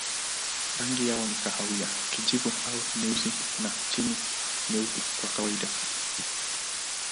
Rangi yao ni kahawia, kijivu au nyeusi na chini nyeupe kwa kawaida.